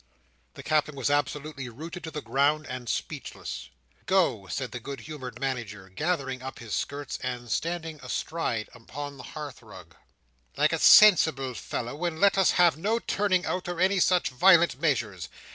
The Captain was absolutely rooted to the ground, and speechless— "Go," said the good humoured Manager, gathering up his skirts, and standing astride upon the hearth rug, "like a sensible fellow, and let us have no turning out, or any such violent measures.